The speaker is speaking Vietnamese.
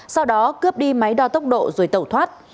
sau đó cướp đi máy đo tốc độ rồi tẩu thoát